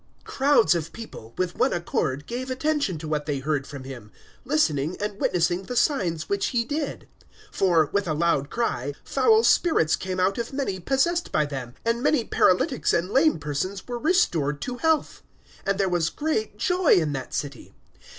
008:006 Crowds of people, with one accord, gave attention to what they heard from him, listening, and witnessing the signs which he did. 008:007 For, with a loud cry, foul spirits came out of many possessed by them, and many paralytics and lame persons were restored to health. 008:008 And there was great joy in that city.